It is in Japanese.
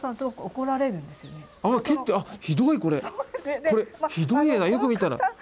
これひどい絵だよく見たら。